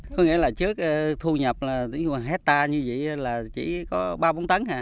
có nghĩa là trước thu nhập là hectare như vậy là chỉ có ba bốn tấn à